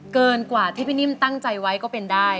เกินกว่าที่พี่นิ่มตั้งใจไว้ก็เป็นได้